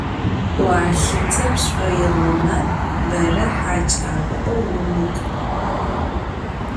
Vualhıte pş'oiğome, bere haç'ak'o vumık'u.